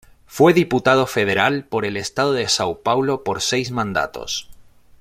Fue diputado federal por el estado de São Paulo por seis mandatos.